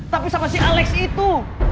tapi sama si alex itu